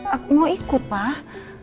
aku mau ikut pak